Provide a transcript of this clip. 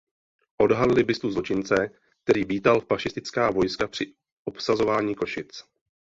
Odhalili bustu zločince, který vítal fašistická vojska při obsazování Košic.